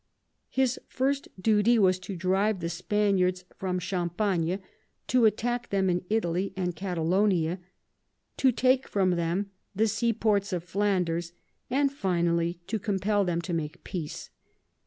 His first duty was to drive the Spaniards from Cham pagne, to attack them in Italy and Catalonia, to take from them the seaports of Flanders, and finally to compel them to make peace.